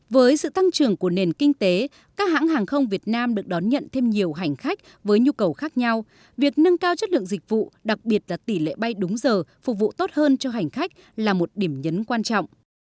với sự tăng trưởng của nền kinh tế các hãng hàng không việt nam được đón nhận thêm nhiều hành khách với nhu cầu khác nhau việc nâng cao chất lượng dịch vụ đặc biệt là tỷ lệ bay đúng giờ phục vụ tốt hơn cho hành khách là một điểm nhấn quan trọng